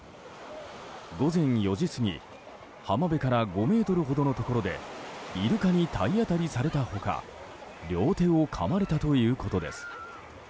午前４時過ぎ浜辺から５ｍほどのところでイルカに体当たりされた他両手をかまれたということです。